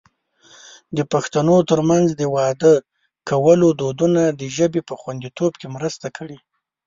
د پښتنو ترمنځ د واده کولو دودونو د ژبې په خوندیتوب کې مرسته کړې.